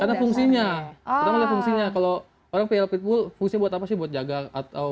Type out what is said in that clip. karena fungsinya pasangan fungsinya kalau orang pl pitbull fungsinya buat apa sih buat jaga atau